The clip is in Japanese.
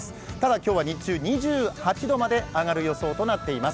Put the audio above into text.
今日は日中２８度まで上がる予定となっています。